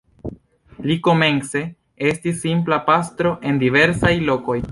Li komence estis simpla pastro en diversaj lokoj.